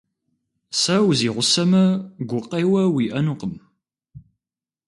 Сэ узигъусэмэ, гукъеуэ уиӏэнукъым.